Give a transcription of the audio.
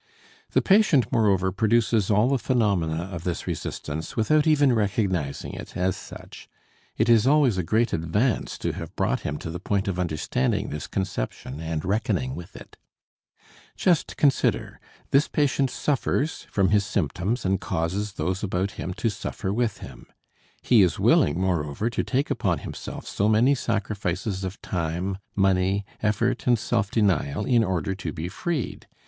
The patient, moreover, produces all the phenomena of this resistance without even recognizing it as such; it is always a great advance to have brought him to the point of understanding this conception and reckoning with it. Just consider, this patient suffers from his symptoms and causes those about him to suffer with him. He is willing, moreover, to take upon himself so many sacrifices of time, money, effort and self denial in order to be freed.